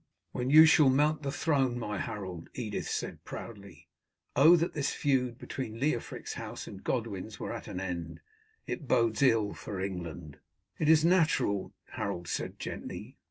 "When you shall mount the throne, my Harold," Edith said proudly. "Oh, that this feud between Leofric's house and Godwin's were at an end. It bodes ill for England." "It is natural," Harold said gently.